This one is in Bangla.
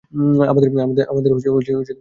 আমাদের ছেড়ে যাবেন না।